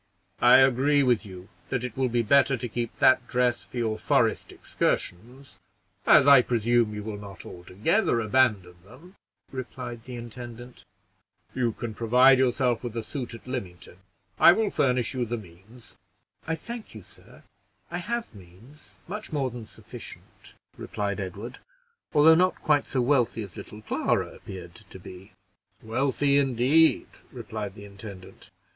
"I agree with you that it will be better to keep that dress for your forest excursions, as I presume you will not altogether abandon them," replied the intendant. "You can provide yourself with a suit at Lymington. I will furnish you the means." "I thank you, sir, I have means, much more than sufficient," replied Edward, "although not quite so wealthy as little Clara appeared to be." "Wealthy, indeed!" replied the intendant.